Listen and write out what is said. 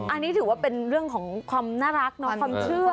อันนี้ถือว่าเป็นเรื่องของความน่ารักเนาะความเชื่อ